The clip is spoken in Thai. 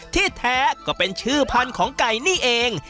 ที่แท้ก็เป็นชื่อพันธุ์ของไก่นี่เอง